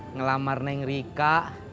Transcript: ngelamar neng rika